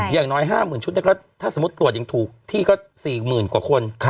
อย่างน้อย๕๐๐๐ชุดถ้าสมมุติตรวจยังถูกที่ก็๔๐๐๐กว่าคน